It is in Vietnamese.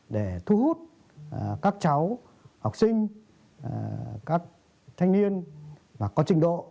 để thu hút các cháu học sinh các thanh niên và có trình độ